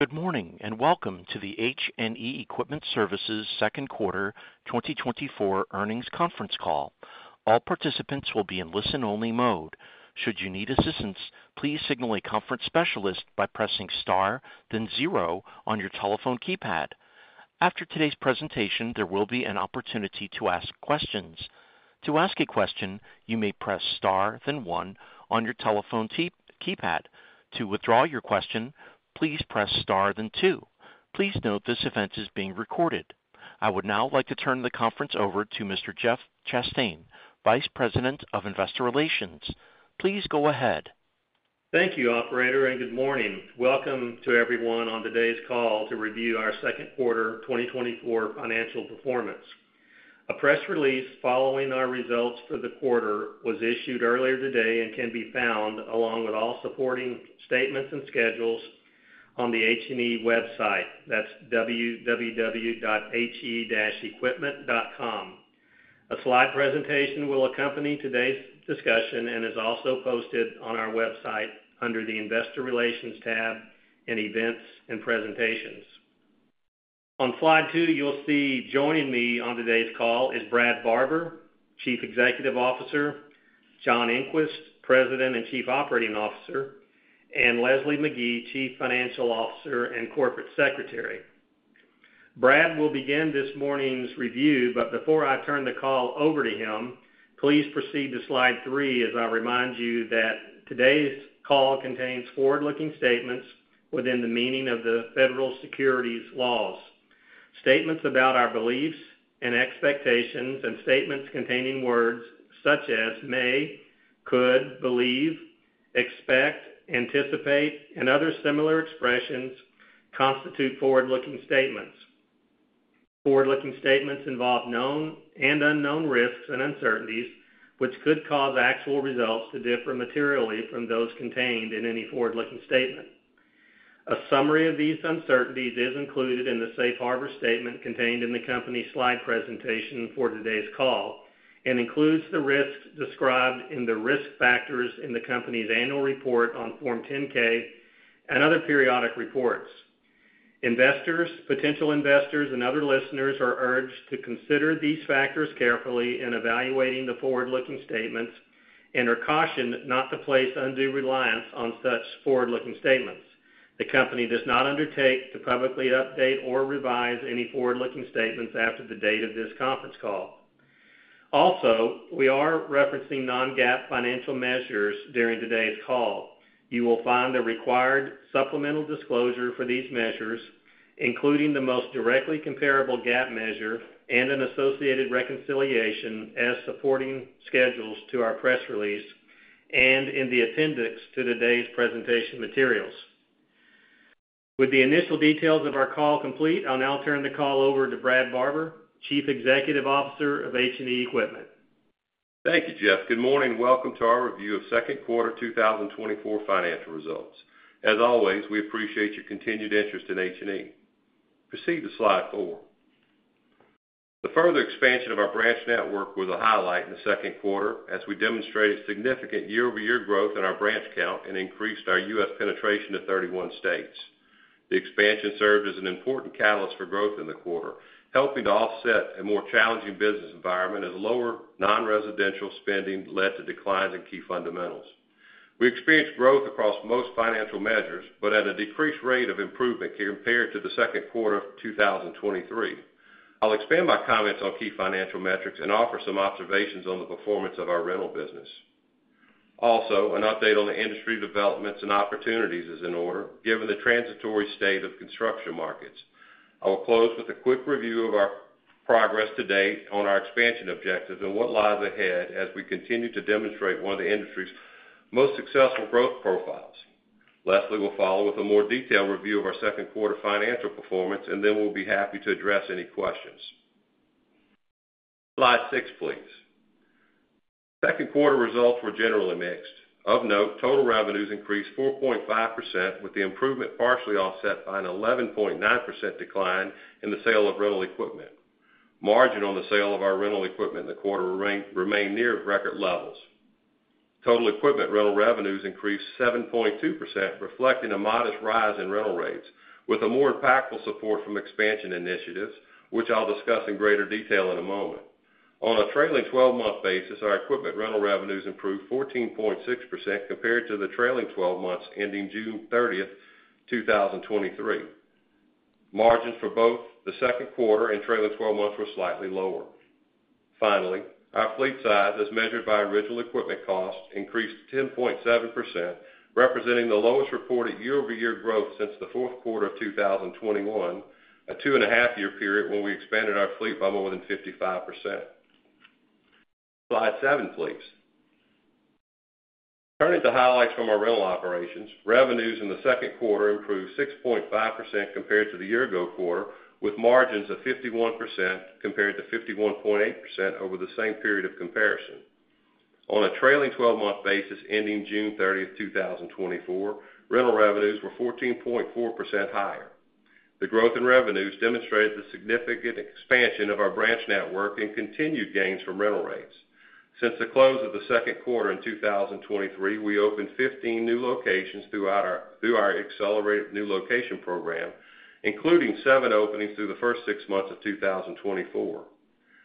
Good morning and welcome to the H&E Equipment Services second quarter 2024 earnings conference call. All participants will be in listen-only mode. Should you need assistance, please signal a conference specialist by pressing star, then zero on your telephone keypad. After today's presentation, there will be an opportunity to ask questions. To ask a question, you may press star, then one on your telephone keypad. To withdraw your question, please press star, then two. Please note this event is being recorded. I would now like to turn the conference over to Mr. Jeff Chastain, Vice President of Investor Relations. Please go ahead. Thank you, Operator, and good morning. Welcome to everyone on today's call to review our second quarter 2024 financial performance. A press release following our results for the quarter was issued earlier today and can be found, along with all supporting statements and schedules, on the H&E website. That's www.he-equipment.com. A slide presentation will accompany today's discussion and is also posted on our website under the Investor Relations tab and Events and Presentations. On slide two, you'll see joining me on today's call is Brad Barber, Chief Executive Officer, John Engquist, President and Chief Operating Officer, and Leslie Magee, Chief Financial Officer and Corporate Secretary. Brad will begin this morning's review, but before I turn the call over to him, please proceed to slide 3 as I remind you that today's call contains forward-looking statements within the meaning of the federal securities laws, statements about our beliefs and expectations, and statements containing words such as may, could, believe, expect, anticipate, and other similar expressions constitute forward-looking statements. Forward-looking statements involve known and unknown risks and uncertainties, which could cause actual results to differ materially from those contained in any forward-looking statement. A summary of these uncertainties is included in the Safe Harbor statement contained in the company's slide presentation for today's call and includes the risks described in the risk factors in the company's annual report on Form 10-K and other periodic reports. Investors, potential investors, and other listeners are urged to consider these factors carefully in evaluating the forward-looking statements and are cautioned not to place undue reliance on such forward-looking statements. The company does not undertake to publicly update or revise any forward-looking statements after the date of this conference call. Also, we are referencing non-GAAP financial measures during today's call. You will find the required supplemental disclosure for these measures, including the most directly comparable GAAP measure and an associated reconciliation as supporting schedules to our press release and in the appendix to today's presentation materials. With the initial details of our call complete, I'll now turn the call over to Brad Barber, Chief Executive Officer of H&E Equipment. Thank you, Jeff. Good morning and welcome to our review of second quarter 2024 financial results. As always, we appreciate your continued interest in H&E. Proceed to slide 4. The further expansion of our branch network was a highlight in the second quarter as we demonstrated significant year-over-year growth in our branch count and increased our U.S. penetration to 31 states. The expansion served as an important catalyst for growth in the quarter, helping to offset a more challenging business environment as lower non-residential spending led to declines in key fundamentals. We experienced growth across most financial measures, but at a decreased rate of improvement compared to the second quarter of 2023. I'll expand my comments on key financial metrics and offer some observations on the performance of our rental business. Also, an update on the industry developments and opportunities is in order given the transitory state of construction markets. I will close with a quick review of our progress to date on our expansion objectives and what lies ahead as we continue to demonstrate one of the industry's most successful growth profiles. Leslie will follow with a more detailed review of our second quarter financial performance, and then we'll be happy to address any questions. Slide six, please. Second quarter results were generally mixed. Of note, total revenues increased 4.5%, with the improvement partially offset by an 11.9% decline in the sale of rental equipment. Margin on the sale of our rental equipment in the quarter remained near record levels. Total equipment rental revenues increased 7.2%, reflecting a modest rise in rental rates, with a more impactful support from expansion initiatives, which I'll discuss in greater detail in a moment. On a trailing 12-month basis, our equipment rental revenues improved 14.6% compared to the trailing 12 months ending June 30th, 2023. Margins for both the second quarter and trailing 12 months were slightly lower. Finally, our fleet size, as measured by original equipment cost, increased 10.7%, representing the lowest reported year-over-year growth since the fourth quarter of 2021, a two-and-a-half-year period when we expanded our fleet by more than 55%. Slide seven, please. Turning to highlights from our rental operations, revenues in the second quarter improved 6.5% compared to the year-ago quarter, with margins of 51% compared to 51.8% over the same period of comparison. On a trailing 12-month basis ending June 30th, 2024, rental revenues were 14.4% higher. The growth in revenues demonstrated the significant expansion of our branch network and continued gains from rental rates. Since the close of the second quarter in 2023, we opened 15 new locations through our accelerated new location program, including 7 openings through the first six months of 2024.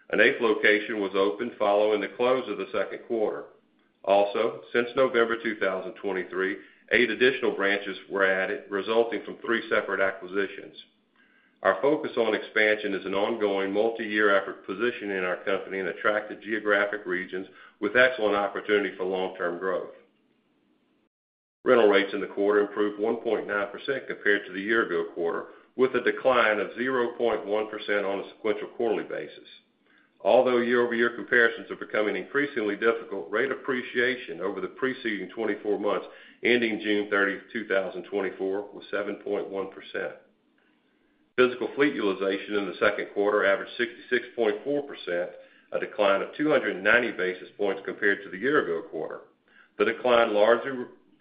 An 8th location was opened following the close of the second quarter. Also, since November 2023, eight additional branches were added, resulting from 3 separate acquisitions. Our focus on expansion is an ongoing multi-year effort positioning our company in attractive geographic regions with excellent opportunity for long-term growth. Rental rates in the quarter improved 1.9% compared to the year-ago quarter, with a decline of 0.1% on a sequential quarterly basis. Although year-over-year comparisons are becoming increasingly difficult, rate appreciation over the preceding 24 months ending June 30th, 2024, was 7.1%. Physical fleet utilization in the second quarter averaged 66.4%, a decline of 290 basis points compared to the year-ago quarter. The decline largely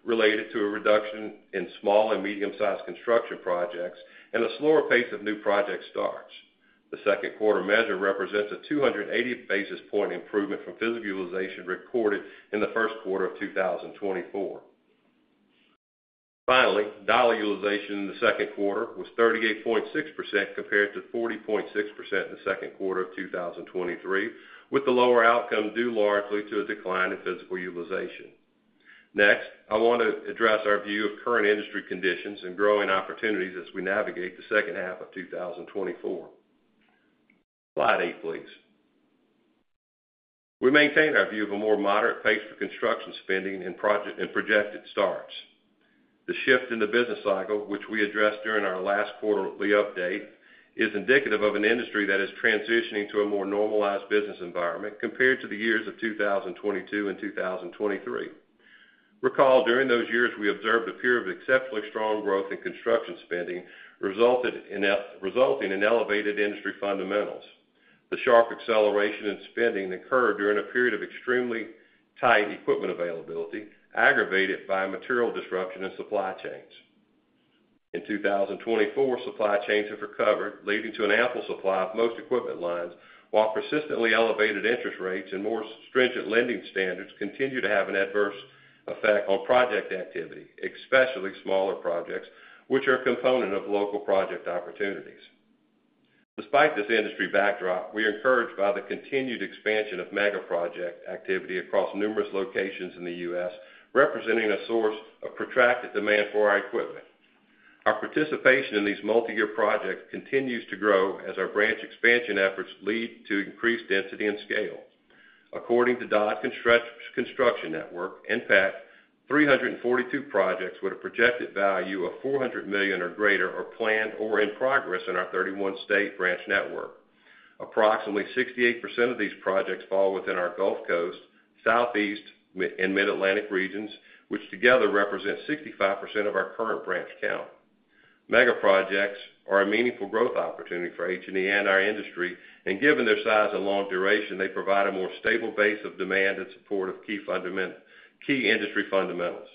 related to a reduction in small and medium-sized construction projects and a slower pace of new project starts. The second quarter measure represents a 280 basis point improvement from physical utilization recorded in the first quarter of 2024. Finally, dollar utilization in the second quarter was 38.6% compared to 40.6% in the second quarter of 2023, with the lower outcome due largely to a decline in physical utilization. Next, I want to address our view of current industry conditions and growing opportunities as we navigate the second half of 2024. Slide eight, please. We maintain our view of a more moderate pace for construction spending and projected starts. The shift in the business cycle, which we addressed during our last quarterly update, is indicative of an industry that is transitioning to a more normalized business environment compared to the years of 2022 and 2023. Recall, during those years, we observed a period of exceptionally strong growth in construction spending, resulting in elevated industry fundamentals. The sharp acceleration in spending occurred during a period of extremely tight equipment availability, aggravated by material disruption in supply chains. In 2024, supply chains have recovered, leading to an ample supply of most equipment lines, while persistently elevated interest rates and more stringent lending standards continue to have an adverse effect on project activity, especially smaller projects, which are a component of local project opportunities. Despite this industry backdrop, we are encouraged by the continued expansion of mega project activity across numerous locations in the U.S., representing a source of protracted demand for our equipment. Our participation in these multi-year projects continues to grow as our branch expansion efforts lead to increased density and scale. According to Dodge Construction Network, in fact, 342 projects with a projected value of $400 million or greater are planned or in progress in our 31-state branch network. Approximately 68% of these projects fall within our Gulf Coast, Southeast, and Mid-Atlantic regions, which together represent 65% of our current branch count. Mega projects are a meaningful growth opportunity for H&E and our industry, and given their size and long duration, they provide a more stable base of demand and support of key industry fundamentals.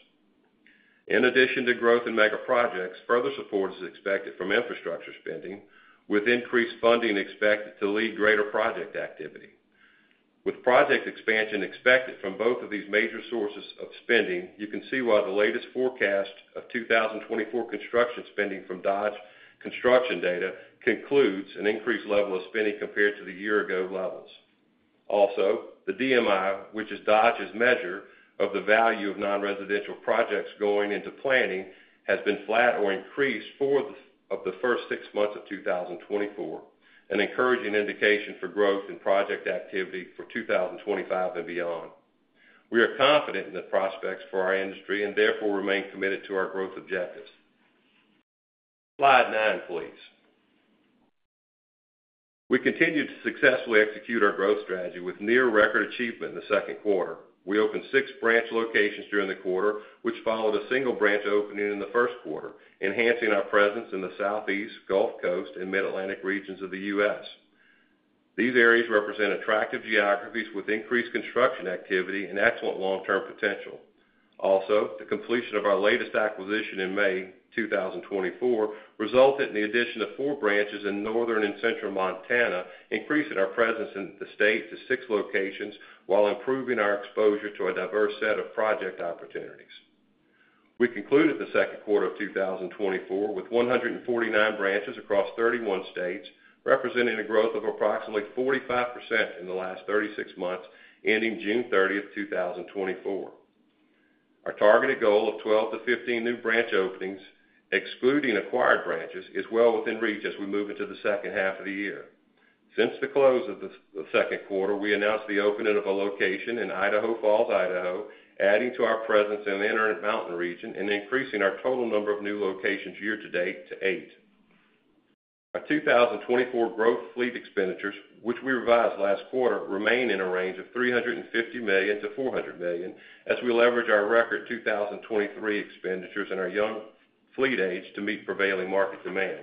In addition to growth in mega projects, further support is expected from infrastructure spending, with increased funding expected to lead to greater project activity. With project expansion expected from both of these major sources of spending, you can see why the latest forecast of 2024 construction spending from Dodge Construction data concludes an increased level of spending compared to the year-ago levels. Also, the DMI, which is Dodge's measure of the value of non-residential projects going into planning, has been flat or increased for the first six months of 2024, an encouraging indication for growth in project activity for 2025 and beyond. We are confident in the prospects for our industry and therefore remain committed to our growth objectives. Slide nine, please. We continued to successfully execute our growth strategy with near-record achievement in the second quarter. We opened six branch locations during the quarter, which followed a single branch opening in the first quarter, enhancing our presence in the Southeast, Gulf Coast, and Mid-Atlantic regions of the U.S. These areas represent attractive geographies with increased construction activity and excellent long-term potential. Also, the completion of our latest acquisition in May 2024 resulted in the addition of 4 branches in northern and central Montana, increasing our presence in the state to 6 locations while improving our exposure to a diverse set of project opportunities. We concluded the second quarter of 2024 with 149 branches across 31 states, representing a growth of approximately 45% in the last 36 months ending June 30th, 2024. Our targeted goal of 12-15 new branch openings, excluding acquired branches, is well within reach as we move into the second half of the year. Since the close of the second quarter, we announced the opening of a location in Idaho Falls, Idaho, adding to our presence in the Intermountain region and increasing our total number of new locations year-to-date to 8. Our 2024 growth fleet expenditures, which we revised last quarter, remain in a range of $350 million-$400 million as we leverage our record 2023 expenditures and our young fleet age to meet prevailing market demand.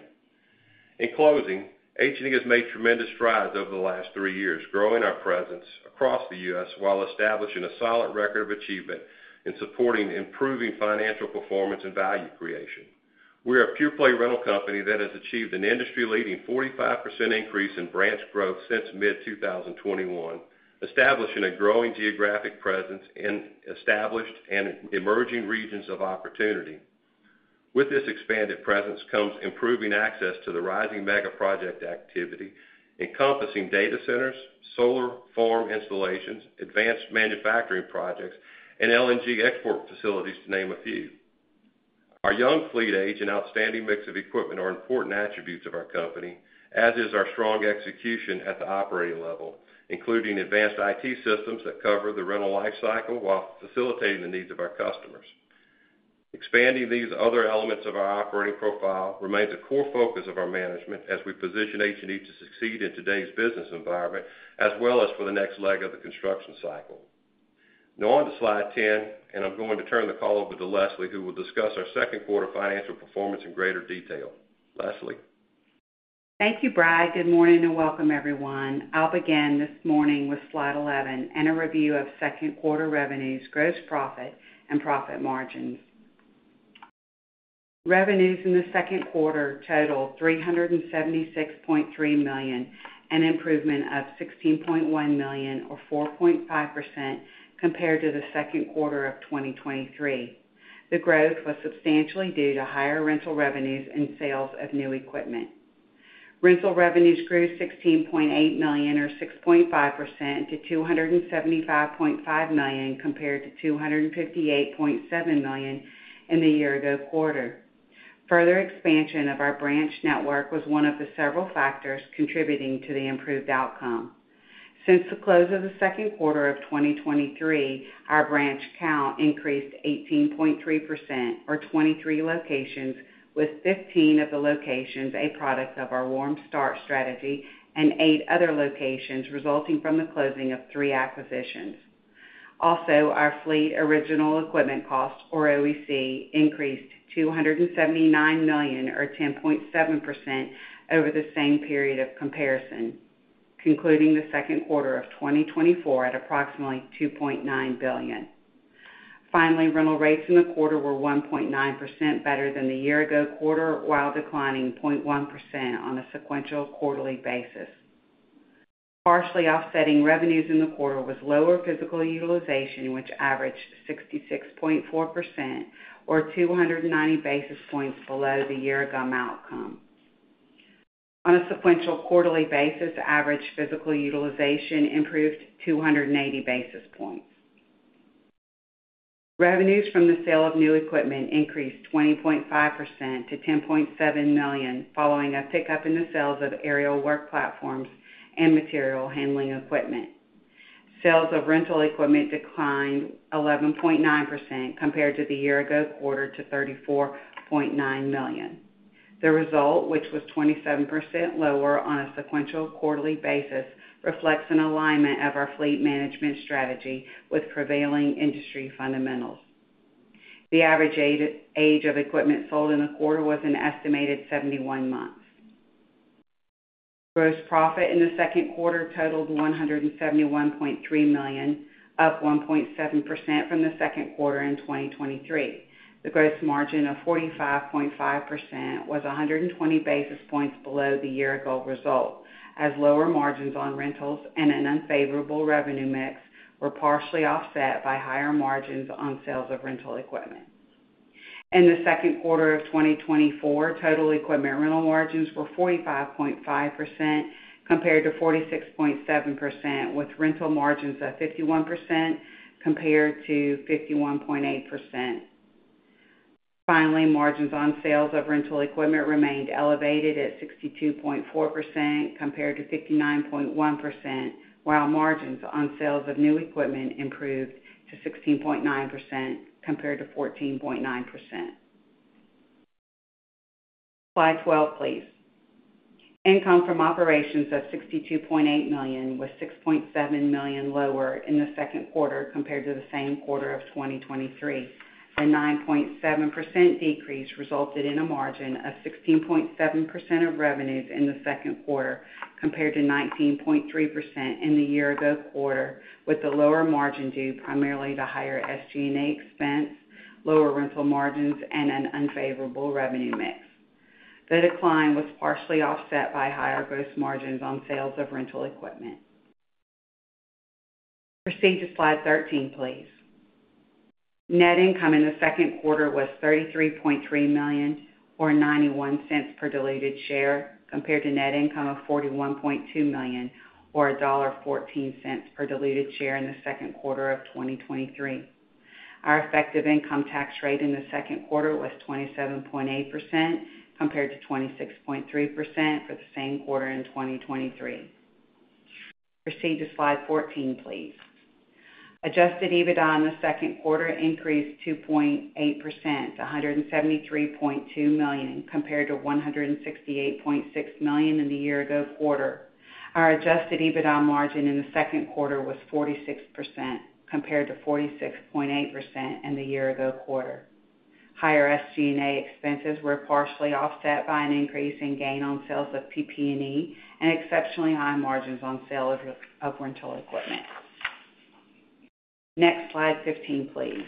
In closing, H&E has made tremendous strides over the last three years, growing our presence across the U.S. while establishing a solid record of achievement in supporting improving financial performance and value creation. We are a pure-play rental company that has achieved an industry-leading 45% increase in branch growth since mid-2021, establishing a growing geographic presence in established and emerging regions of opportunity. With this expanded presence comes improving access to the rising mega project activity, encompassing data centers, solar farm installations, advanced manufacturing projects, and LNG export facilities, to name a few. Our young fleet age and outstanding mix of equipment are important attributes of our company, as is our strong execution at the operating level, including advanced IT systems that cover the rental life cycle while facilitating the needs of our customers. Expanding these other elements of our operating profile remains a core focus of our management as we position H&E to succeed in today's business environment, as well as for the next leg of the construction cycle. Now on to slide 10, and I'm going to turn the call over to Leslie, who will discuss our second quarter financial performance in greater detail. Leslie. Thank you, Brad. Good morning and welcome, everyone. I'll begin this morning with slide 11 and a review of second quarter revenues, gross profit, and profit margins. Revenues in the second quarter totaled $376.3 million, an improvement of $16.1 million, or 4.5%, compared to the second quarter of 2023. The growth was substantially due to higher rental revenues and sales of new equipment. Rental revenues grew $16.8 million, or 6.5%, to $275.5 million compared to $258.7 million in the year-ago quarter. Further expansion of our branch network was one of the several factors contributing to the improved outcome. Since the close of the second quarter of 2023, our branch count increased 18.3%, or 23 locations, with 15 of the locations a product of our warm start strategy and eight other locations resulting from the closing of three acquisitions. Also, our fleet Original Equipment Cost, or OEC, increased $279 million, or 10.7%, over the same period of comparison, concluding the second quarter of 2024 at approximately $2.9 billion. Finally, rental rates in the quarter were 1.9% better than the year-ago quarter, while declining 0.1% on a sequential quarterly basis. Partially offsetting revenues in the quarter was lower physical utilization, which averaged 66.4%, or 290 basis points below the year-ago outcome. On a sequential quarterly basis, average physical utilization improved 280 basis points. Revenues from the sale of new equipment increased 20.5% to $10.7 million, following a pickup in the sales of aerial work platforms and material handling equipment. Sales of rental equipment declined 11.9% compared to the year-ago quarter, to $34.9 million. The result, which was 27% lower on a sequential quarterly basis, reflects an alignment of our fleet management strategy with prevailing industry fundamentals. The average age of equipment sold in the quarter was an estimated 71 months. Gross profit in the second quarter totaled $171.3 million, up 1.7% from the second quarter in 2023. The gross margin of 45.5% was 120 basis points below the year-ago result, as lower margins on rentals and an unfavorable revenue mix were partially offset by higher margins on sales of rental equipment. In the second quarter of 2024, total equipment rental margins were 45.5% compared to 46.7%, with rental margins of 51% compared to 51.8%. Finally, margins on sales of rental equipment remained elevated at 62.4% compared to 59.1%, while margins on sales of new equipment improved to 16.9% compared to 14.9%. Slide 12, please. Income from operations of $62.8 million was $6.7 million lower in the second quarter compared to the same quarter of 2023. The 9.7% decrease resulted in a margin of 16.7% of revenues in the second quarter compared to 19.3% in the year-ago quarter, with the lower margin due primarily to higher SG&A expense, lower rental margins, and an unfavorable revenue mix. The decline was partially offset by higher gross margins on sales of rental equipment. Proceed to slide 13, please. Net income in the second quarter was $33.3 million, or $0.91 per diluted share, compared to net income of $41.2 million, or $1.14 per diluted share in the second quarter of 2023. Our effective income tax rate in the second quarter was 27.8% compared to 26.3% for the same quarter in 2023. Proceed to slide 14, please. Adjusted EBITDA in the second quarter increased 2.8% to $173.2 million compared to $168.6 million in the year-ago quarter. Our adjusted EBITDA margin in the second quarter was 46% compared to 46.8% in the year-ago quarter. Higher SG&A expenses were partially offset by an increase in gain on sales of PP&E and exceptionally high margins on sale of rental equipment. Next, slide 15, please.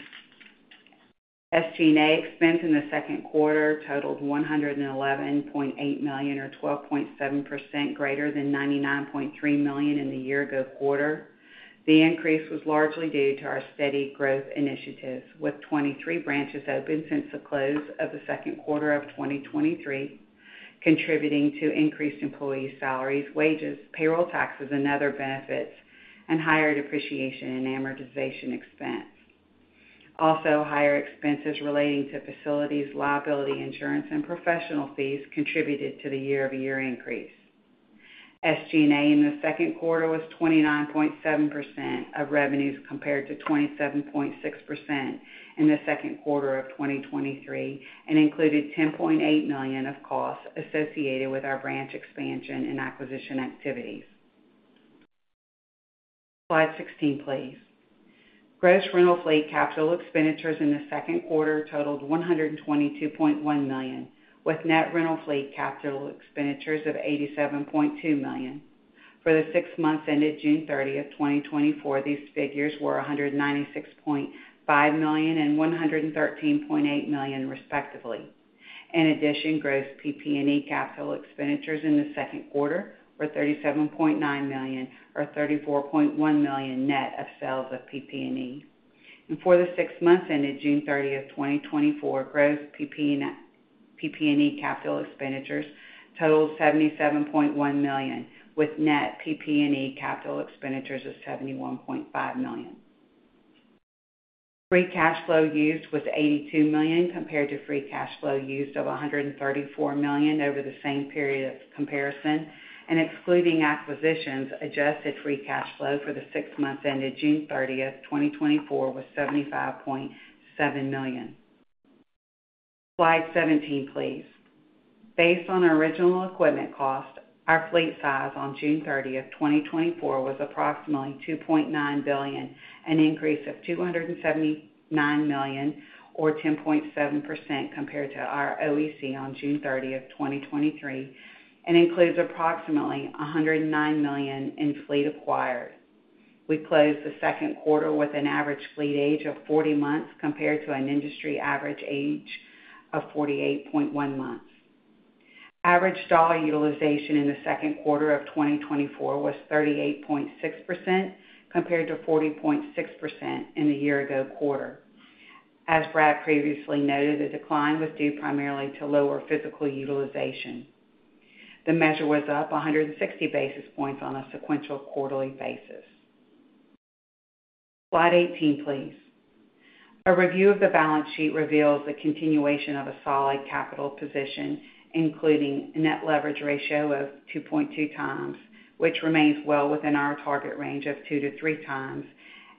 SG&A expense in the second quarter totaled $111.8 million, or 12.7%, greater than $99.3 million in the year-ago quarter. The increase was largely due to our steady growth initiatives, with 23 branches open since the close of the second quarter of 2023, contributing to increased employee salaries, wages, payroll taxes, and other benefits, and higher depreciation and amortization expense. Also, higher expenses relating to facilities, liability, insurance, and professional fees contributed to the year-over-year increase. SG&A in the second quarter was 29.7% of revenues compared to 27.6% in the second quarter of 2023 and included $10.8 million of costs associated with our branch expansion and acquisition activities. Slide 16, please. Gross rental fleet capital expenditures in the second quarter totaled $122.1 million, with net rental fleet capital expenditures of $87.2 million. For the six months ended June 30th, 2024, these figures were $196.5 million and $113.8 million, respectively. In addition, gross PP&E capital expenditures in the second quarter were $37.9 million, or $34.1 million net of sales of PP&E. For the six months ended June 30th, 2024, gross PP&E capital expenditures totaled $77.1 million, with net PP&E capital expenditures of $71.5 million. Free cash flow used was $82 million compared to free cash flow used of $134 million over the same period of comparison. Excluding acquisitions, adjusted free cash flow for the six months ended June 30th, 2024, was $75.7 million. Slide 17, please. Based on original equipment cost, our fleet size on June 30th, 2024, was approximately $2.9 billion, an increase of $279 million, or 10.7%, compared to our OEC on June 30th, 2023, and includes approximately $109 million in fleet acquired. We closed the second quarter with an average fleet age of 40 months compared to an industry average age of 48.1 months. Average dollar utilization in the second quarter of 2024 was 38.6% compared to 40.6% in the year-ago quarter. As Brad previously noted, the decline was due primarily to lower physical utilization. The measure was up 160 basis points on a sequential quarterly basis. Slide 18, please. A review of the balance sheet reveals the continuation of a solid capital position, including a net leverage ratio of 2.2 times, which remains well within our target range of 2 to 3 times,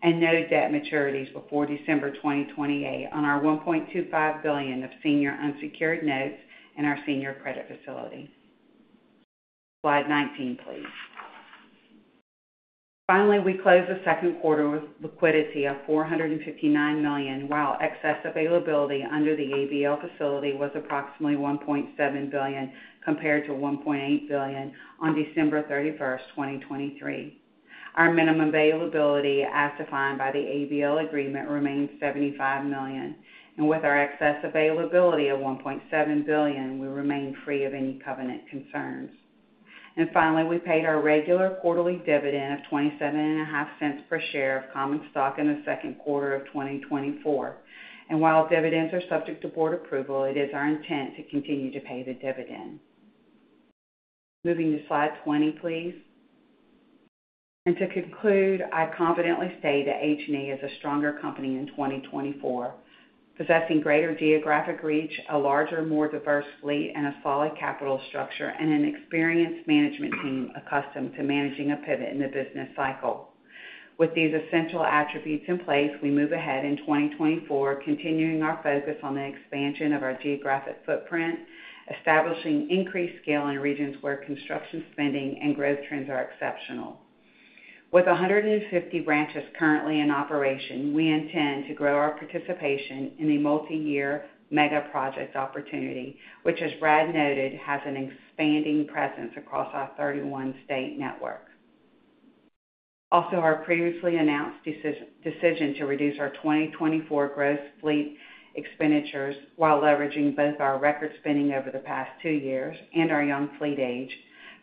and no debt maturities before December 2028 on our $1.25 billion of senior unsecured notes in our senior credit facility. Slide 19, please. Finally, we closed the second quarter with liquidity of $459 million, while excess availability under the ABL facility was approximately $1.7 billion compared to $1.8 billion on December 31st, 2023. Our minimum availability, as defined by the ABL agreement, remains $75 million. And with our excess availability of $1.7 billion, we remain free of any covenant concerns. And finally, we paid our regular quarterly dividend of $0.275 per share of common stock in the second quarter of 2024. And while dividends are subject to board approval, it is our intent to continue to pay the dividend. Moving to slide 20, please. To conclude, I confidently state that H&E is a stronger company in 2024, possessing greater geographic reach, a larger, more diverse fleet, and a solid capital structure, and an experienced management team accustomed to managing a pivot in the business cycle. With these essential attributes in place, we move ahead in 2024, continuing our focus on the expansion of our geographic footprint, establishing increased scale in regions where construction spending and growth trends are exceptional. With 150 branches currently in operation, we intend to grow our participation in the multi-year mega project opportunity, which, as Brad noted, has an expanding presence across our 31-state network. Also, our previously announced decision to reduce our 2024 gross fleet expenditures, while leveraging both our record spending over the past 2 years and our young fleet age,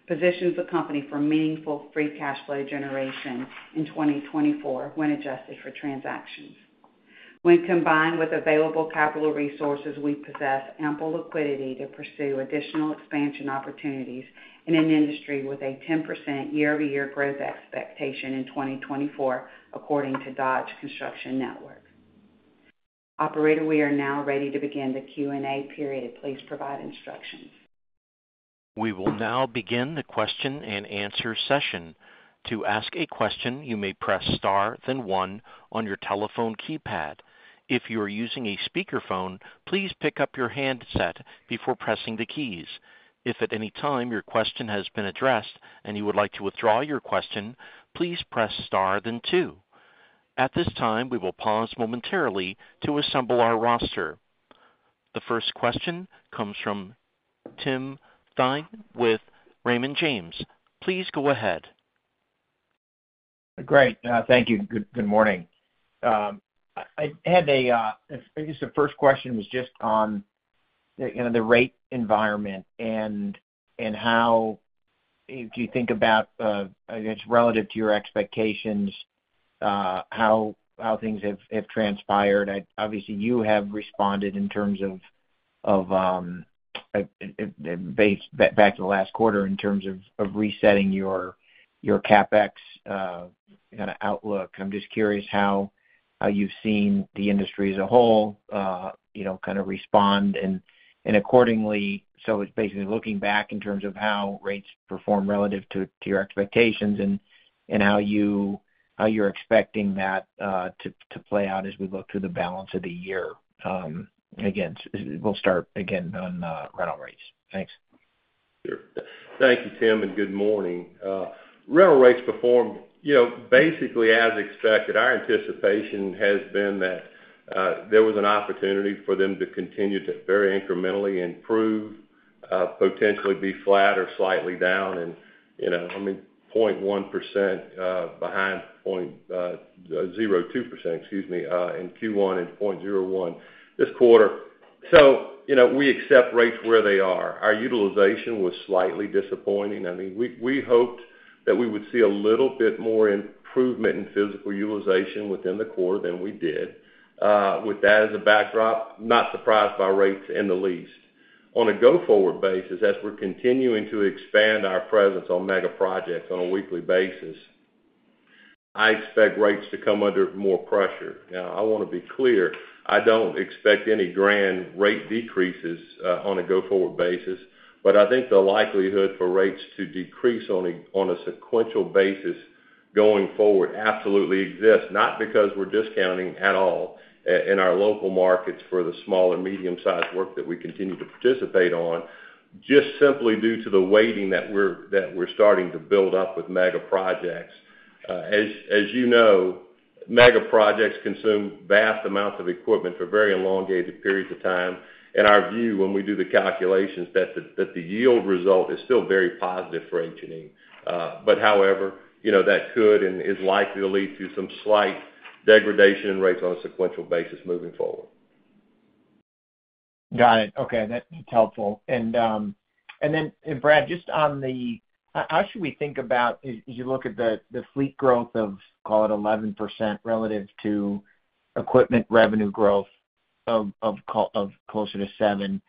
positions the company for meaningful free cash flow generation in 2024 when adjusted for transactions. When combined with available capital resources, we possess ample liquidity to pursue additional expansion opportunities in an industry with a 10% year-over-year growth expectation in 2024, according to Dodge Construction Network. Operator, we are now ready to begin the Q&A period. Please provide instructions. We will now begin the question and answer session. To ask a question, you may press star, then one on your telephone keypad. If you are using a speakerphone, please pick up your handset before pressing the keys. If at any time your question has been addressed and you would like to withdraw your question, please press star, then two. At this time, we will pause momentarily to assemble our roster. The first question comes from Tim Thein with Raymond James. Please go ahead. Great. Thank you. Good morning. I had a, I guess the first question was just on the rate environment and how do you think about, I guess, relative to your expectations, how things have transpired? Obviously, you have responded in terms of, back to the last quarter, in terms of resetting your CapEx kind of outlook. I'm just curious how you've seen the industry as a whole kind of respond. And accordingly, so it's basically looking back in terms of how rates perform relative to your expectations and how you're expecting that to play out as we look to the balance of the year. Again, we'll start again on rental rates. Thanks. Sure. Thank you, Tim, and good morning. Rental rates performed basically as expected. Our anticipation has been that there was an opportunity for them to continue to very incrementally improve, potentially be flat or slightly down, and I mean, 0.1% behind 0.02%, excuse me, in Q1 and 0.01% this quarter. So we accept rates where they are. Our utilization was slightly disappointing. I mean, we hoped that we would see a little bit more improvement in physical utilization within the quarter than we did. With that as a backdrop, not surprised by rates in the least. On a go-forward basis, as we're continuing to expand our presence on mega projects on a weekly basis, I expect rates to come under more pressure. Now, I want to be clear. I don't expect any grand rate decreases on a go-forward basis, but I think the likelihood for rates to decrease on a sequential basis going forward absolutely exists, not because we're discounting at all in our local markets for the small and medium-sized work that we continue to participate on, just simply due to the weighting that we're starting to build up with mega projects. As you know, mega projects consume vast amounts of equipment for very elongated periods of time. In our view, when we do the calculations, that the yield result is still very positive for H&E. But however, that could and is likely to lead to some slight degradation in rates on a sequential basis moving forward. Got it. Okay. That's helpful. And then, Brad, just on the—how should we think about, as you look at the fleet growth of, call it, 11% relative to equipment revenue growth of closer to 7%?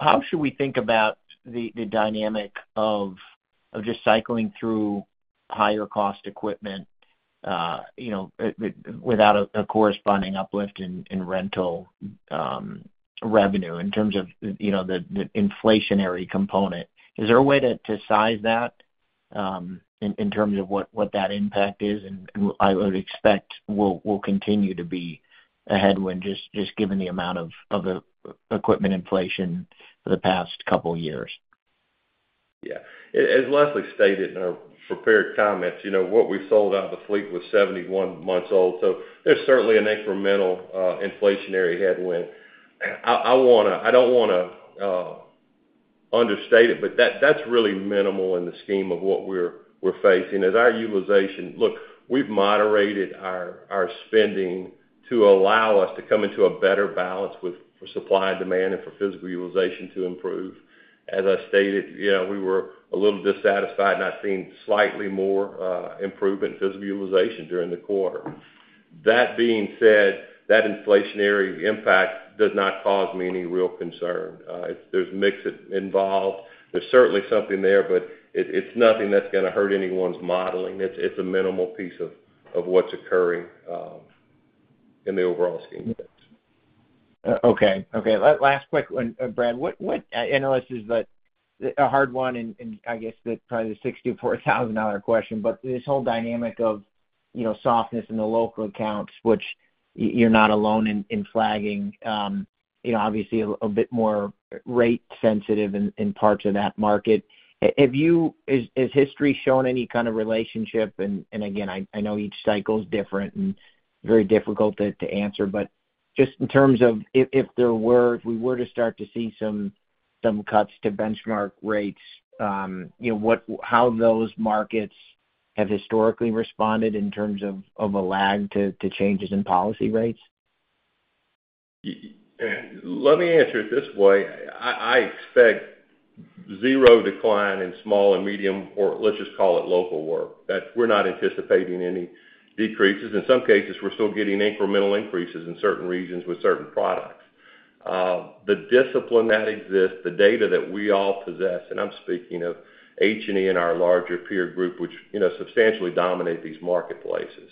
How should we think about the dynamic of just cycling through higher-cost equipment without a corresponding uplift in rental revenue in terms of the inflationary component? Is there a way to size that in terms of what that impact is? And I would expect will continue to be a headwind, just given the amount of equipment inflation for the past couple of years. Yeah. As Leslie stated in our prepared comments, what we sold out of the fleet was 71 months old. So there's certainly an incremental inflationary headwind. I don't want to understate it, but that's really minimal in the scheme of what we're facing. As our utilization, look, we've moderated our spending to allow us to come into a better balance for supply and demand and for physical utilization to improve. As I stated, we were a little dissatisfied and I've seen slightly more improvement in physical utilization during the quarter. That being said, that inflationary impact does not cause me any real concern. If there's mix involved, there's certainly something there, but it's nothing that's going to hurt anyone's modeling. It's a minimal piece of what's occurring in the overall scheme. Okay. Okay. Last quick one, Brad. I know this is a hard one and I guess probably the $64,000 question, but this whole dynamic of softness in the local accounts, which you're not alone in flagging, obviously a bit more rate-sensitive in parts of that market. Has history shown any kind of relationship? And again, I know each cycle is different and very difficult to answer, but just in terms of if we were to see some cuts to benchmark rates, how those markets have historically responded in terms of a lag to changes in policy rates? Let me answer it this way. I expect zero decline in small and medium, or let's just call it local work. We're not anticipating any decreases. In some cases, we're still getting incremental increases in certain regions with certain products. The discipline that exists, the data that we all possess, and I'm speaking of H&E and our larger peer group, which substantially dominate these marketplaces.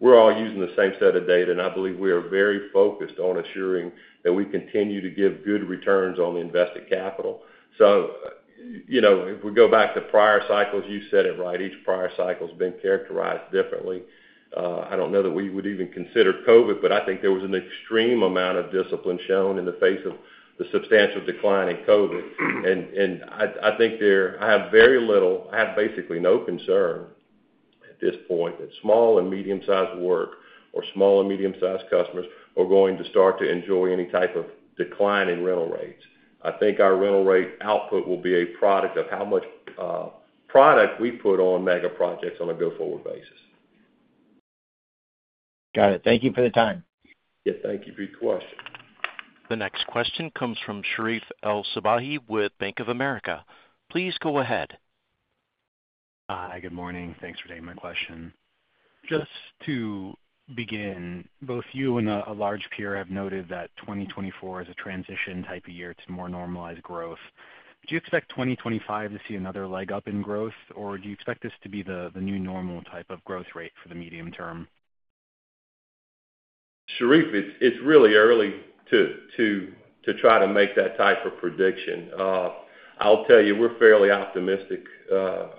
We're all using the same set of data, and I believe we are very focused on assuring that we continue to give good returns on the invested capital. So if we go back to prior cycles, you said it right. Each prior cycle has been characterized differently. I don't know that we would even consider COVID, but I think there was an extreme amount of discipline shown in the face of the substantial decline in COVID. I think I have very little—I have basically no concern at this point that small and medium-sized work or small and medium-sized customers are going to start to enjoy any type of decline in rental rates. I think our rental rate output will be a product of how much product we put on mega projects on a go-forward basis. Got it. Thank you for the time. Yeah. Thank you for your question. The next question comes from Sherif El-Sabbahy with Bank of America. Please go ahead. Hi. Good morning. Thanks for taking my question. Just to begin, both you and a large peer have noted that 2024 is a transition-type of year to more normalized growth. Do you expect 2025 to see another leg up in growth, or do you expect this to be the new normal type of growth rate for the medium term? Sherif, it's really early to try to make that type of prediction. I'll tell you, we're fairly optimistic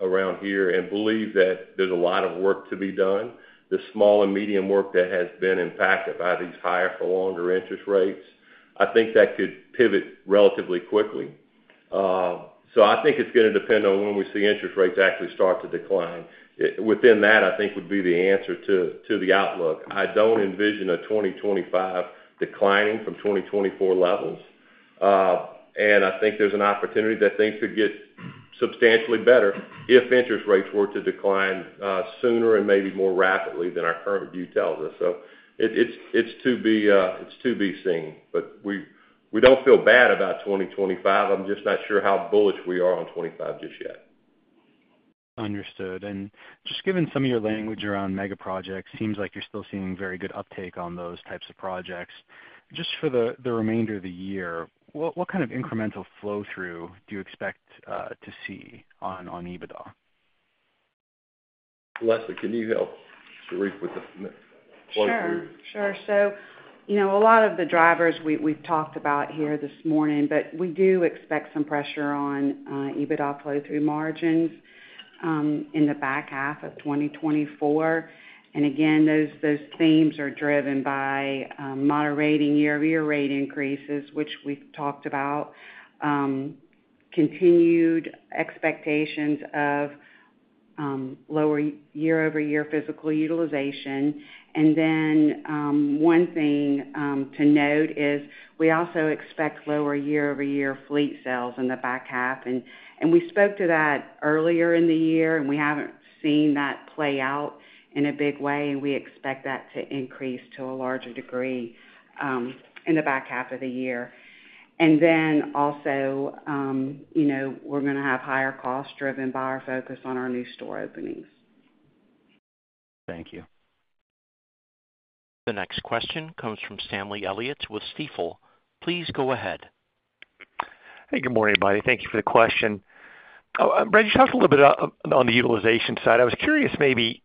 around here and believe that there's a lot of work to be done. The small and medium work that has been impacted by these higher-for-longer interest rates, I think that could pivot relatively quickly. So I think it's going to depend on when we see interest rates actually start to decline. Within that, I think would be the answer to the outlook. I don't envision a 2025 declining from 2024 levels. And I think there's an opportunity that things could get substantially better if interest rates were to decline sooner and maybe more rapidly than our current view tells us. So it's to be seen. But we don't feel bad about 2025. I'm just not sure how bullish we are on 2025 just yet. Understood. And just given some of your language around mega projects, it seems like you're still seeing very good uptake on those types of projects. Just for the remainder of the year, what kind of incremental flow-through do you expect to see on EBITDA? Leslie, can you help Sherif with the flow-through? Sure. Sure. So a lot of the drivers we've talked about here this morning, but we do expect some pressure on EBITDA flow-through margins in the back half of 2024. And again, those themes are driven by moderating year-over-year rate increases, which we've talked about, continued expectations of lower year-over-year physical utilization. And then one thing to note is we also expect lower year-over-year fleet sales in the back half. And we spoke to that earlier in the year, and we haven't seen that play out in a big way. And we expect that to increase to a larger degree in the back half of the year. And then also, we're going to have higher costs driven by our focus on our new store openings. Thank you. The next question comes from Stanley Elliott with Stifel. Please go ahead. Hey. Good morning, everybody. Thank you for the question. Brad, you talked a little bit on the utilization side. I was curious maybe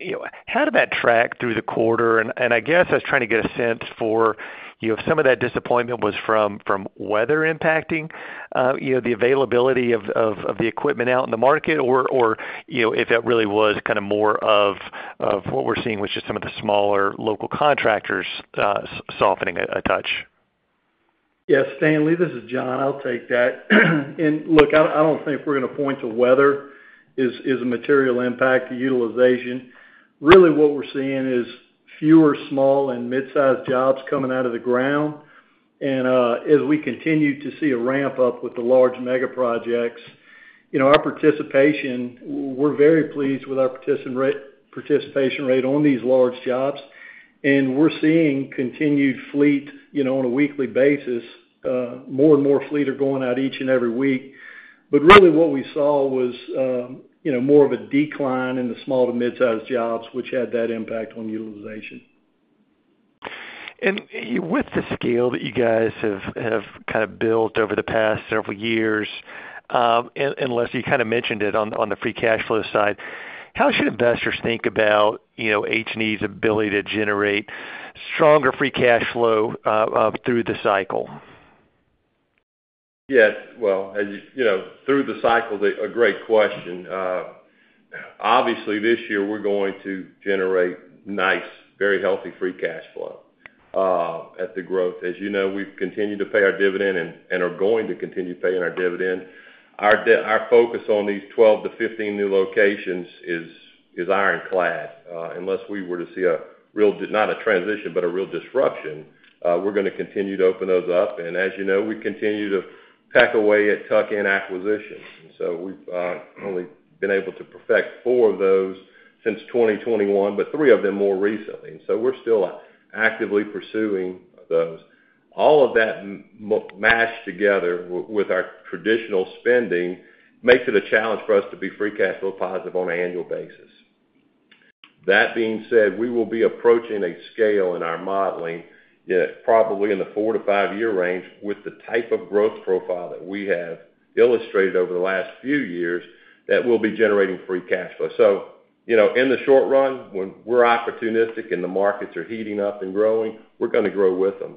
how did that track through the quarter? And I guess I was trying to get a sense for you if some of that disappointment was from weather impacting the availability of the equipment out in the market, or if it really was kind of more of what we're seeing with just some of the smaller local contractors softening a touch? Yes. Stanley, this is John. I'll take that. And look, I don't think we're going to point to weather as a material impact to utilization. Really, what we're seeing is fewer small and mid-sized jobs coming out of the ground. And as we continue to see a ramp-up with the large mega projects, our participation, we're very pleased with our participation rate on these large jobs. And we're seeing continued fleet on a weekly basis. More and more fleet are going out each and every week. But really, what we saw was more of a decline in the small to mid-sized jobs, which had that impact on utilization. With the scale that you guys have kind of built over the past several years, and Leslie, you kind of mentioned it on the free cash flow side, how should investors think about H&E's ability to generate stronger free cash flow through the cycle? Yes. Well, through the cycle, a great question. Obviously, this year, we're going to generate nice, very healthy free cash flow through the growth. As you know, we've continued to pay our dividend and are going to continue paying our dividend. Our focus on these 12-15 new locations is ironclad. Unless we were to see a real—not a transition, but a real disruption—we're going to continue to open those up. And as you know, we continue to pack away at tuck-in acquisitions. And so we've only been able to effect 4 of those since 2021, but 3 of them more recently. And so we're still actively pursuing those. All of that meshed together with our traditional spending makes it a challenge for us to be free cash flow positive on an annual basis. That being said, we will be approaching a scale in our modeling probably in the 4-5-year range with the type of growth profile that we have illustrated over the last few years that will be generating free cash flow. So in the short run, when we're opportunistic and the markets are heating up and growing, we're going to grow with them.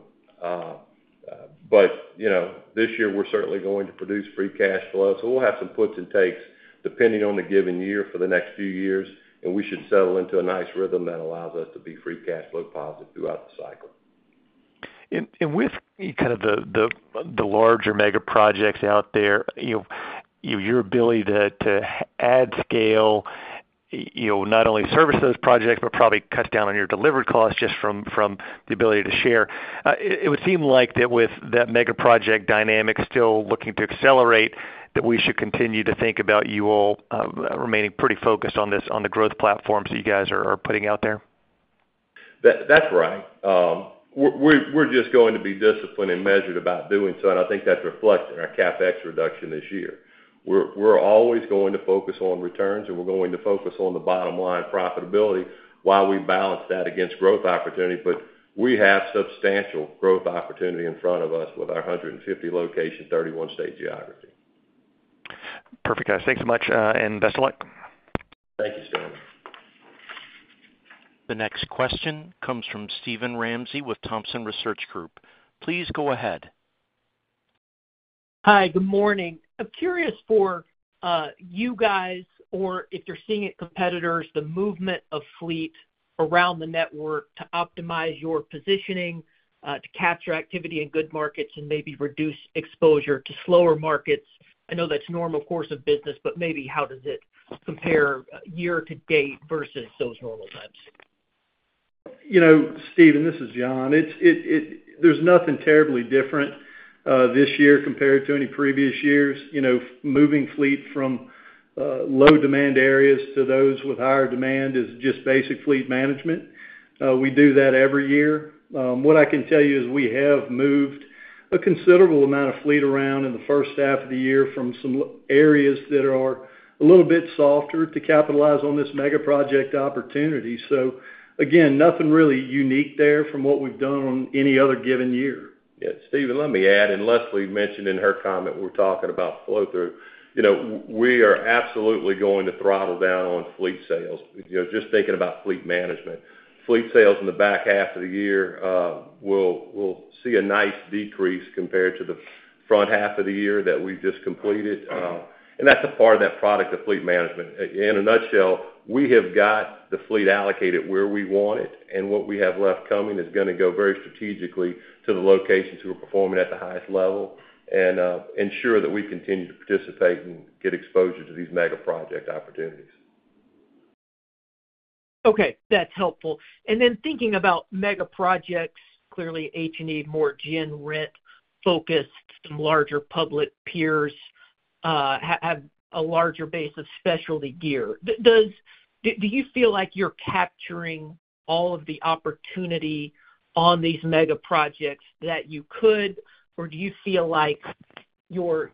But this year, we're certainly going to produce free cash flow. So we'll have some puts and takes depending on the given year for the next few years. And we should settle into a nice rhythm that allows us to be free cash flow positive throughout the cycle. With kind of the larger mega projects out there, your ability to add scale, not only service those projects, but probably cut down on your delivered costs just from the ability to share, it would seem like that with that mega project dynamic still looking to accelerate, that we should continue to think about you all remaining pretty focused on the growth platforms that you guys are putting out there? That's right. We're just going to be disciplined and measured about doing so. I think that's reflected in our CapEx reduction this year. We're always going to focus on returns, and we're going to focus on the bottom line profitability while we balance that against growth opportunity. We have substantial growth opportunity in front of us with our 150 locations, 31-state geography. Perfect, guys. Thanks so much. Best of luck. Thank you, Stanley. The next question comes from Steven Ramsey with Thompson Research Group. Please go ahead. Hi. Good morning. I'm curious for you guys, or if you're seeing it, competitors, the movement of fleet around the network to optimize your positioning, to capture activity in good markets, and maybe reduce exposure to slower markets. I know that's normal course of business, but maybe how does it compare year to date versus those normal times? Steven, this is John. There's nothing terribly different this year compared to any previous years. Moving fleet from low-demand areas to those with higher demand is just basic fleet management. We do that every year. What I can tell you is we have moved a considerable amount of fleet around in the first half of the year from some areas that are a little bit softer to capitalize on this mega project opportunity. So again, nothing really unique there from what we've done on any other given year. Yeah. Steven, let me add, and Leslie mentioned in her comment we're talking about flow-through. We are absolutely going to throttle down on fleet sales, just thinking about fleet management. Fleet sales in the back half of the year, we'll see a nice decrease compared to the front half of the year that we've just completed. And that's a part of that product of fleet management. In a nutshell, we have got the fleet allocated where we want it. And what we have left coming is going to go very strategically to the locations who are performing at the highest level and ensure that we continue to participate and get exposure to these mega project opportunities. Okay. That's helpful. And then thinking about mega projects, clearly H&E, more gen rent-focused, some larger public peers have a larger base of specialty gear. Do you feel like you're capturing all of the opportunity on these mega projects that you could, or do you feel like your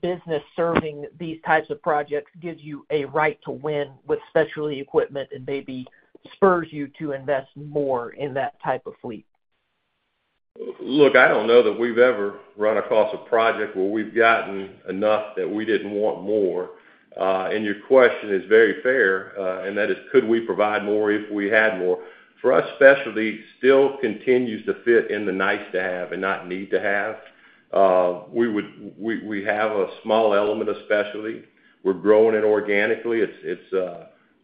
business serving these types of projects gives you a right to win with specialty equipment and maybe spurs you to invest more in that type of fleet? Look, I don't know that we've ever run across a project where we've gotten enough that we didn't want more. And your question is very fair, and that is, could we provide more if we had more? For us, specialty still continues to fit in the nice-to-have and not need-to-have. We have a small element of specialty. We're growing it organically. At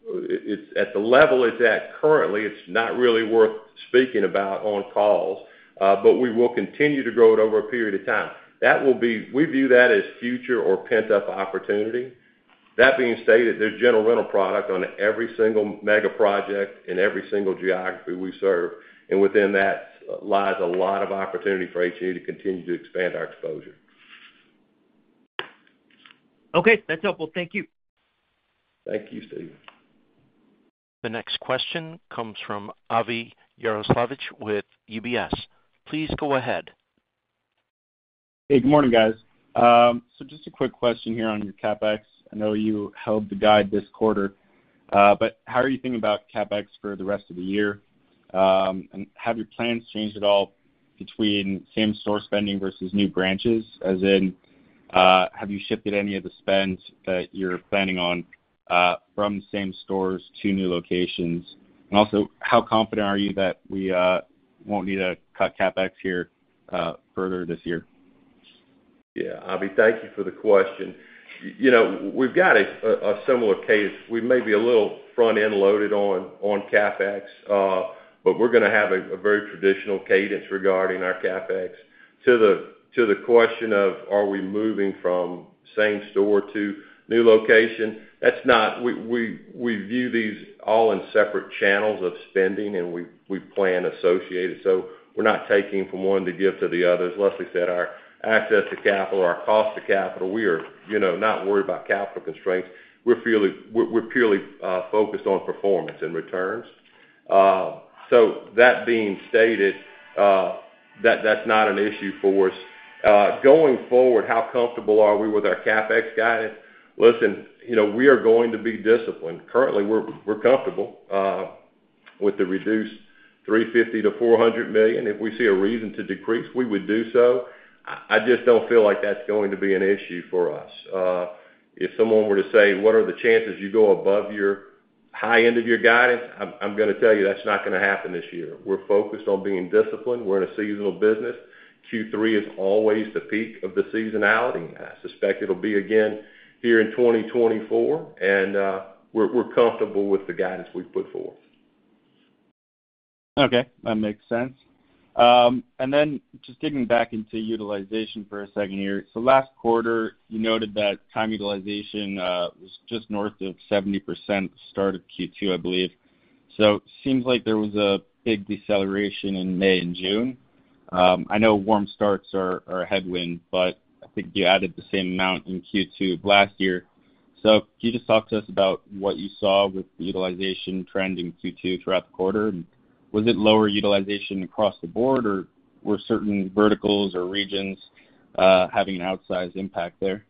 the level it's at currently, it's not really worth speaking about on calls, but we will continue to grow it over a period of time. We view that as future or pent-up opportunity. That being stated, there's general rental product on every single mega project in every single geography we serve. And within that lies a lot of opportunity for H&E to continue to expand our exposure. Okay. That's helpful. Thank you. Thank you, Steven. The next question comes from Avi Jaroslawicz with UBS. Please go ahead. Hey. Good morning, guys. Just a quick question here on your CapEx. I know you held the guide this quarter, but how are you thinking about CapEx for the rest of the year? And have your plans changed at all between same-store spending versus new branches? As in, have you shifted any of the spend that you're planning on from same stores to new locations? And also, how confident are you that we won't need to cut CapEx here further this year? Yeah. Avi, thank you for the question. We've got a similar cadence. We may be a little front-end loaded on CapEx, but we're going to have a very traditional cadence regarding our CapEx. To the question of, are we moving from same store to new location, we view these all in separate channels of spending, and we plan associated. So we're not taking from one to give to the other. As Leslie said, our access to capital, our cost to capital, we are not worried about capital constraints. We're purely focused on performance and returns. So that being stated, that's not an issue for us. Going forward, how comfortable are we with our CapEx guidance? Listen, we are going to be disciplined. Currently, we're comfortable with the reduced $350 million-$400 million. If we see a reason to decrease, we would do so. I just don't feel like that's going to be an issue for us. If someone were to say, "What are the chances you go above your high end of your guidance?" I'm going to tell you that's not going to happen this year. We're focused on being disciplined. We're in a seasonal business. Q3 is always the peak of the seasonality. I suspect it'll be again here in 2024. And we're comfortable with the guidance we've put forth. Okay. That makes sense. And then just digging back into utilization for a second here. So last quarter, you noted that time utilization was just north of 70% at the start of Q2, I believe. So it seems like there was a big deceleration in May and June. I know warm starts are a headwind, but I think you added the same amount in Q2 of last year. So can you just talk to us about what you saw with the utilization trend in Q2 throughout the quarter? And was it lower utilization across the board, or were certain verticals or regions having an outsized impact there?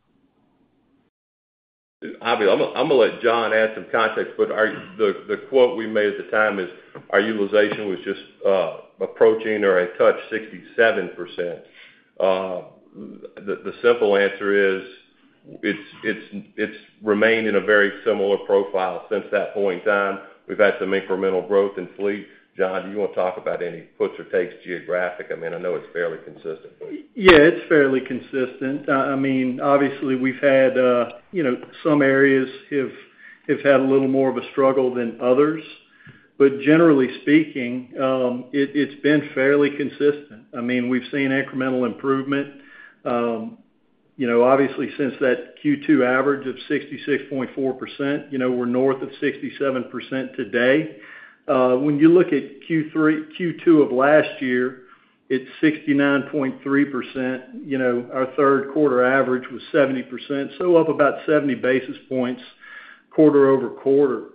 Avi, I'm going to let John add some context, but the quote we made at the time is, "Our utilization was just approaching or a touch 67%." The simple answer is it's remained in a very similar profile since that point in time. We've had some incremental growth in fleet. John, do you want to talk about any puts or takes geographic? I mean, I know it's fairly consistent, but. Yeah. It's fairly consistent. I mean, obviously, we've had some areas have had a little more of a struggle than others. But generally speaking, it's been fairly consistent. I mean, we've seen incremental improvement. Obviously, since that Q2 average of 66.4%, we're north of 67% today. When you look at Q2 of last year, it's 69.3%. Our third quarter average was 70%, so up about 70 basis points quarter over quarter.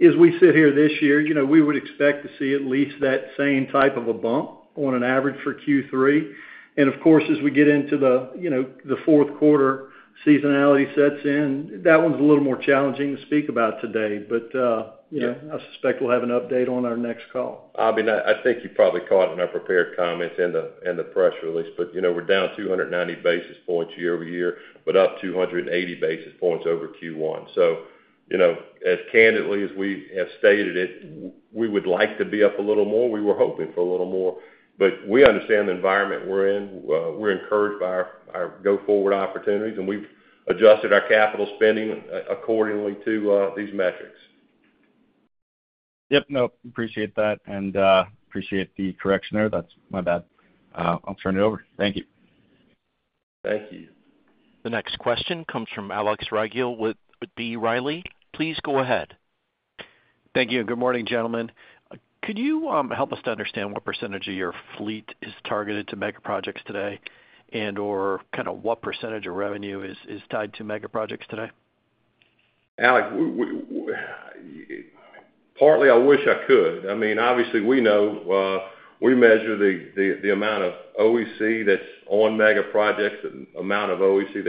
As we sit here this year, we would expect to see at least that same type of a bump on an average for Q3. And of course, as we get into the fourth quarter, seasonality sets in. That one's a little more challenging to speak about today, but I suspect we'll have an update on our next call. Avi, I think you probably caught an unprepared comment in the press release, but we're down 290 basis points year-over-year, but up 280 basis points over Q1. So as candidly as we have stated it, we would like to be up a little more. We were hoping for a little more, but we understand the environment we're in. We're encouraged by our go-forward opportunities, and we've adjusted our capital spending accordingly to these metrics. Yep. No. Appreciate that. Appreciate the correction there. That's my bad. I'll turn it over. Thank you. Thank you. The next question comes from Alex Rygiel with B. Riley. Please go ahead. Thank you. Good morning, gentlemen. Could you help us to understand what percentage of your fleet is targeted to mega projects today and/or kind of what percentage of revenue is tied to mega projects today? Alex, partly I wish I could. I mean, obviously, we know we measure the amount of OEC that's on mega projects and the amount of OEC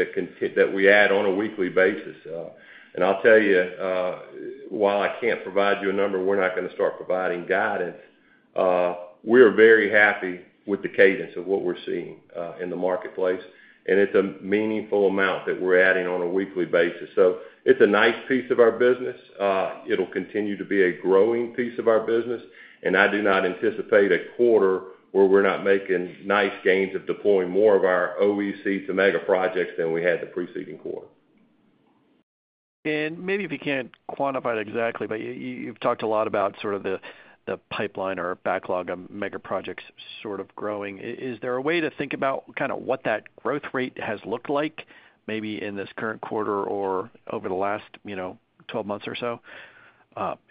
that we add on a weekly basis. And I'll tell you, while I can't provide you a number, we're not going to start providing guidance. We are very happy with the cadence of what we're seeing in the marketplace. And it's a meaningful amount that we're adding on a weekly basis. So it's a nice piece of our business. It'll continue to be a growing piece of our business. And I do not anticipate a quarter where we're not making nice gains of deploying more of our OEC to mega projects than we had the preceding quarter. Maybe if you can't quantify it exactly, but you've talked a lot about sort of the pipeline or backlog of mega projects sort of growing. Is there a way to think about kind of what that growth rate has looked like maybe in this current quarter or over the last 12 months or so?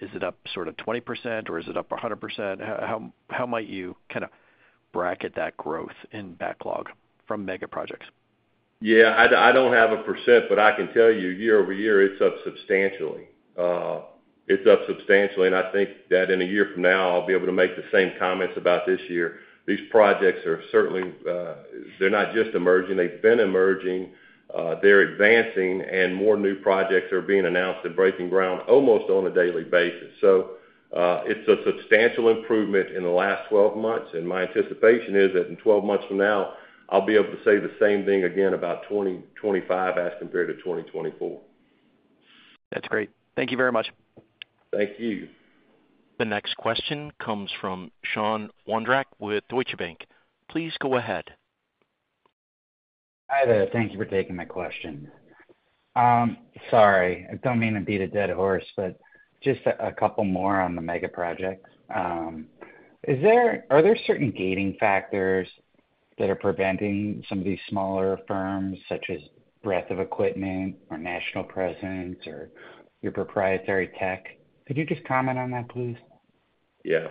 Is it up sort of 20%, or is it up 100%? How might you kind of bracket that growth in backlog from mega projects? Yeah. I don't have a percent, but I can tell you year-over-year, it's up substantially. It's up substantially. And I think that in a year from now, I'll be able to make the same comments about this year. These projects are certainly, they're not just emerging. They've been emerging. They're advancing, and more new projects are being announced and breaking ground almost on a daily basis. So it's a substantial improvement in the last 12 months. And my anticipation is that in 12 months from now, I'll be able to say the same thing again about 2025 as compared to 2024. That's great. Thank you very much. Thank you. The next question comes from Sean Wondrack with Deutsche Bank. Please go ahead. Hi there. Thank you for taking my question. Sorry. I don't mean to beat a dead horse, but just a couple more on the mega projects. Are there certain gating factors that are preventing some of these smaller firms, such as breadth of equipment or national presence or your proprietary tech? Could you just comment on that, please? Yeah.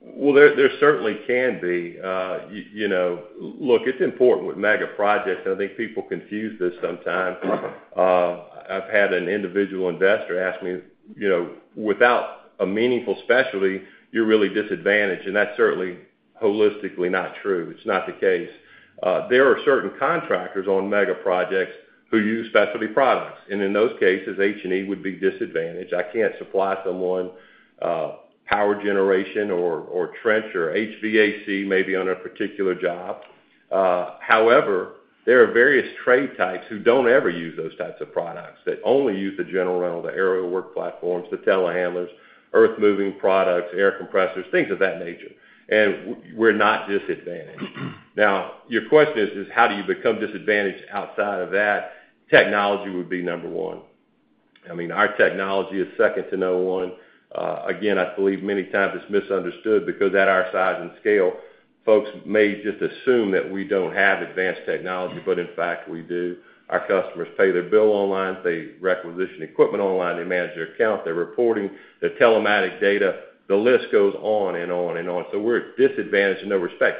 Well, there certainly can be. Look, it's important with mega projects, and I think people confuse this sometimes. I've had an individual investor ask me, "Without a meaningful specialty, you're really disadvantaged." And that's certainly holistically not true. It's not the case. There are certain contractors on mega projects who use specialty products. And in those cases, H&E would be disadvantaged. I can't supply someone power generation or trench or HVAC maybe on a particular job. However, there are various trade types who don't ever use those types of products that only use the general rental, the aerial work platforms, the telehandlers, earth-moving products, air compressors, things of that nature. And we're not disadvantaged. Now, your question is, how do you become disadvantaged outside of that? Technology would be number one. I mean, our technology is second to no one. Again, I believe many times it's misunderstood because at our size and scale, folks may just assume that we don't have advanced technology, but in fact, we do. Our customers pay their bill online. They requisition equipment online. They manage their account. They're reporting. They're telematics data. The list goes on and on and on. So we're disadvantaged in no respect.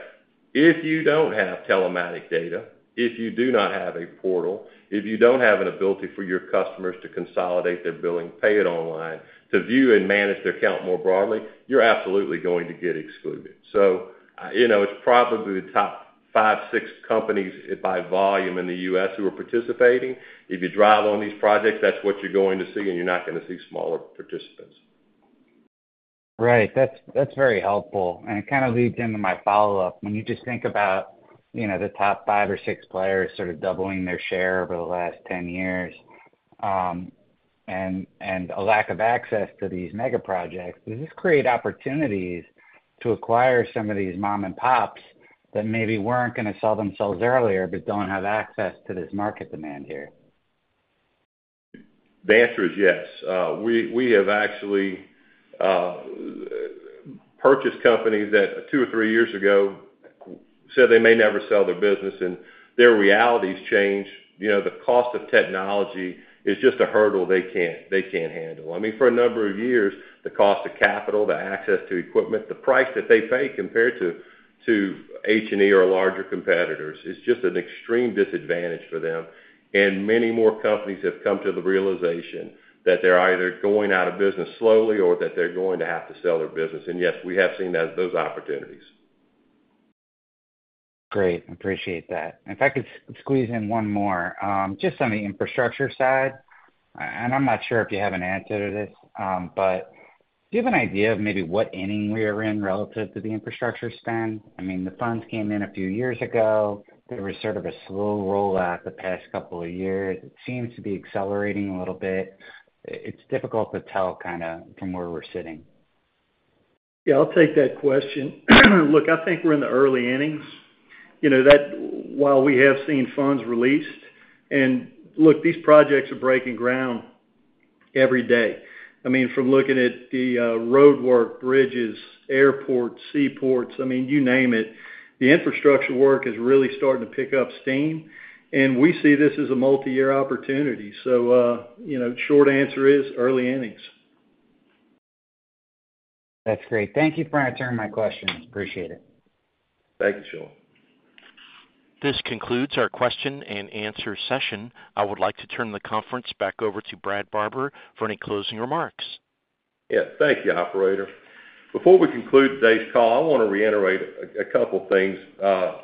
If you don't have telematics data, if you do not have a portal, if you don't have an ability for your customers to consolidate their billing, pay it online, to view and manage their account more broadly, you're absolutely going to get excluded. So it's probably the top 5, 6 companies by volume in the U.S. who are participating. If you drive on these projects, that's what you're going to see, and you're not going to see smaller participants. Right. That's very helpful. And it kind of leads into my follow-up. When you just think about the top five or six players sort of doubling their share over the last 10 years and a lack of access to these mega projects, does this create opportunities to acquire some of these mom-and-pops that maybe weren't going to sell themselves earlier but don't have access to this market demand here? The answer is yes. We have actually purchased companies that two or three years ago said they may never sell their business, and their realities change. The cost of technology is just a hurdle they can't handle. I mean, for a number of years, the cost of capital, the access to equipment, the price that they pay compared to H&E or larger competitors is just an extreme disadvantage for them. And many more companies have come to the realization that they're either going out of business slowly or that they're going to have to sell their business. And yes, we have seen those opportunities. Great. Appreciate that. In fact, let's squeeze in one more. Just on the infrastructure side, and I'm not sure if you have an answer to this, but do you have an idea of maybe what inning we are in relative to the infrastructure spend? I mean, the funds came in a few years ago. There was sort of a slow rollout the past couple of years. It seems to be accelerating a little bit. It's difficult to tell kind of from where we're sitting. Yeah. I'll take that question. Look, I think we're in the early innings while we have seen funds released. And look, these projects are breaking ground every day. I mean, from looking at the roadwork, bridges, airports, seaports, I mean, you name it, the infrastructure work is really starting to pick up steam. And we see this as a multi-year opportunity. So short answer is early innings. That's great. Thank you for answering my questions. Appreciate it. Thank you, Sean. This concludes our question and answer session. I would like to turn the conference back over to Brad Barber for any closing remarks. Yes. Thank you, Operator. Before we conclude today's call, I want to reiterate a couple of things,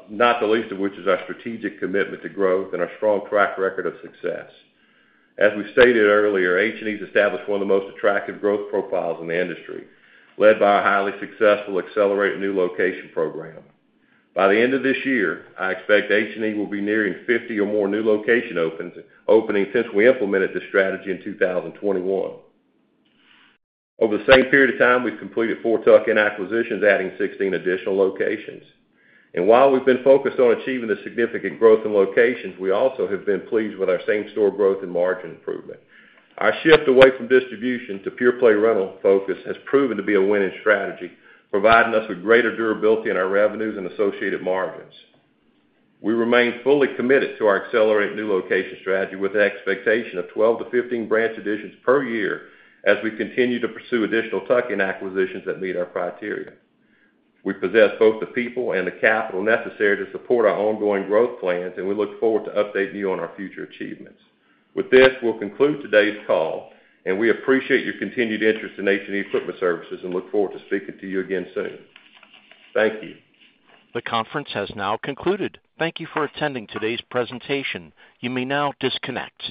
not the least of which is our strategic commitment to growth and our strong track record of success. As we stated earlier, H&E has established one of the most attractive growth profiles in the industry, led by our highly successful accelerated new location program. By the end of this year, I expect H&E will be nearing 50 or more new location openings since we implemented the strategy in 2021. Over the same period of time, we've completed 4 tuck-in acquisitions, adding 16 additional locations. While we've been focused on achieving the significant growth in locations, we also have been pleased with our same-store growth and margin improvement. Our shift away from distribution to pure-play rental focus has proven to be a winning strategy, providing us with greater durability in our revenues and associated margins. We remain fully committed to our accelerated new location strategy with the expectation of 12-15 branch additions per year as we continue to pursue additional tuck-in acquisitions that meet our criteria. We possess both the people and the capital necessary to support our ongoing growth plans, and we look forward to updating you on our future achievements. With this, we'll conclude today's call, and we appreciate your continued interest in H&E Equipment Services and look forward to speaking to you again soon. Thank you. The conference has now concluded. Thank you for attending today's presentation. You may now disconnect.